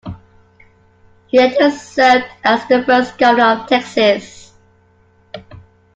He later served as the first Governor of Texas.